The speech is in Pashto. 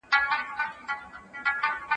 د ښار ګردونه دي خالونه د تندي ورانوي